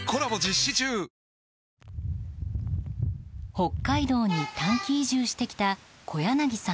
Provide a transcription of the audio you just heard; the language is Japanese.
北海道に短期移住してきた小柳さん